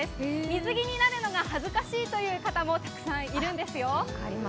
水着になるのが恥ずかしいという方もたくさんいるんですよ。